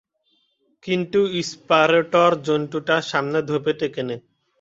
কিন্তু ইম্পারেটর জন্তুটার সামনে ধোপে টেকেনি।